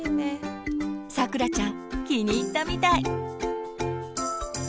さくらちゃん気に入ったみたい！